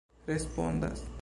respondas